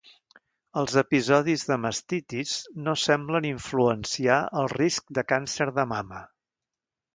Els episodis de mastitis no semblen influenciar el risc de càncer de mama.